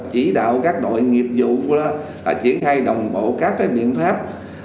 chỉ đạo các đội nghiệp dụng đã triển khai đồng bộ các biện pháp